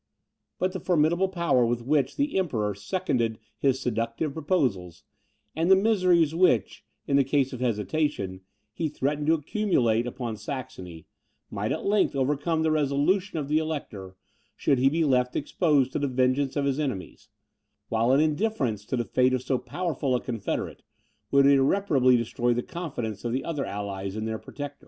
But the formidable power with which the Emperor seconded his seductive proposals, and the miseries which, in the case of hesitation, he threatened to accumulate upon Saxony, might at length overcome the resolution of the Elector, should he be left exposed to the vengeance of his enemies; while an indifference to the fate of so powerful a confederate, would irreparably destroy the confidence of the other allies in their protector.